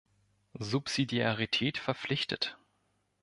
Subsidiarität verpflichtet.